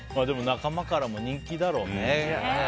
でも仲間からも人気だろうね。